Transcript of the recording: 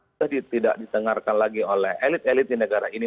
sudah tidak didengarkan lagi oleh elit elit di negara ini